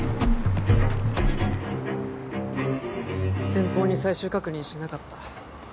先方に最終確認しなかった。